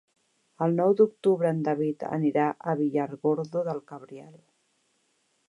El nou d'octubre en David anirà a Villargordo del Cabriel.